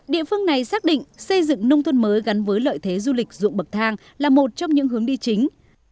địa phương này xác định xây dựng nông thôn mới gắn với lợi thế du lịch dụng bậc thang là một trong những hướng đi chính